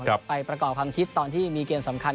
ไปประกอบความคิดตอนที่มีเกมสำคัญ